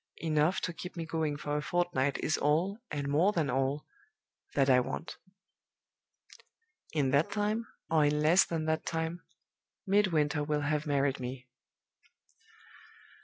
Enough to keep me going for a fortnight is all, and more than all, that I want. In that time, or in less than that time, Midwinter will have married me."